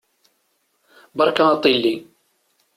Beṛka aṭṭili!